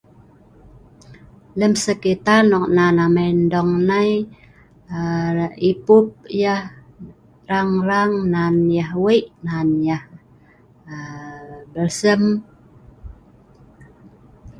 In this place where we live, sometimes he is good and sometimes he is dack